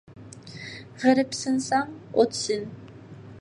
غېرىبسىنساڭ ئوتسىن.